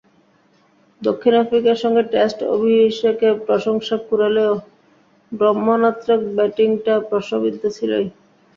দক্ষিণ আফ্রিকার সঙ্গে টেস্ট অভিষেকে প্রশংসা কুড়ালেও, রক্ষণাত্মক ব্যাটিংটা প্রশ্নবিদ্ধ ছিলই।